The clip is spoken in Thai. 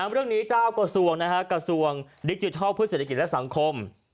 เรื่องนี้เจ้ากระทรวงกระทรวงดิจิทัลเพื่อเศรษฐกิจและสังคม